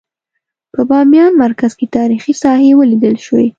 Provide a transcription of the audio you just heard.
په بامیان مرکز کې تاریخي ساحې ولیدل شوې.